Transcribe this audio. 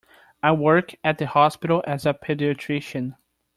I work at the hospital as a paediatrician.